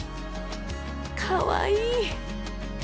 かわいい。